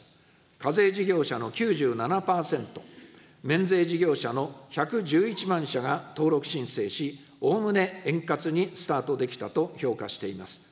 課税事業者の９７％、免税事業者１１１万者が登録申請し、おおむね円滑にスタートできたと評価しています。